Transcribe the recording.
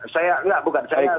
saya kan kebangsa sukur